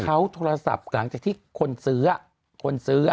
เขาโทรศัพท์หลังจากที่คนซื้อคนซื้อ